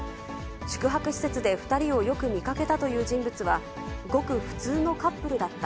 宿泊施設で２人をよく見かけたという人物は、ごく普通のカップルだった。